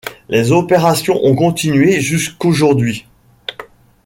Les opérations ont continué jusqu'aujourd'hui.